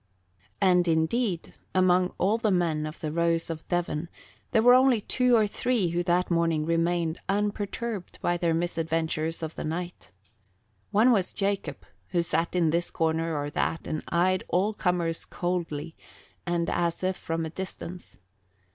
And indeed, among all the men of the Rose of Devon there were only two or three who that morning remained unperturbed by their misadventures of the night. One was Jacob, who sat in this corner or that and eyed all comers coldly and as if from a distance.